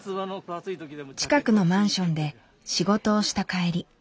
近くのマンションで仕事をした帰り